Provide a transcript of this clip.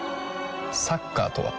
サッカーとは？